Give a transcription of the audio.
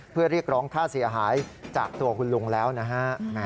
เพื่อเรียกร้องค่าเสียหายจากตัวคุณลุงแล้วนะฮะ